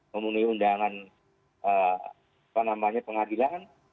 memenuhi undangan pengadilan